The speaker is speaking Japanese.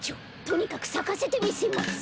とにかくさかせてみせます。